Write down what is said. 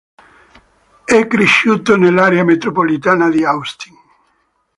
È cresciuto nell'area metropolitana di Austin.